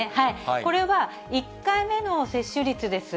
これは、１回目の接種率です。